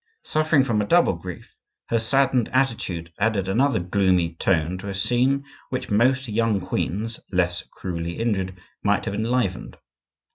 Suffering from a double grief, her saddened attitude added another gloomy tone to a scene which most young queens, less cruelly injured, might have enlivened.